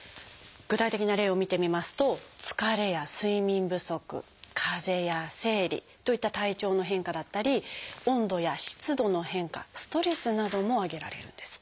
具体的な例を見てみますと「疲れ」や「睡眠不足」「かぜ」や「生理」といった体調の変化だったり「温度や湿度の変化」「ストレス」なども挙げられるんです。